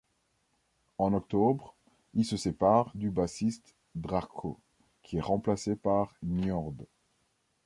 En octobre, ils se séparent du bassiste Drahco, qui est remplacé par Niörd.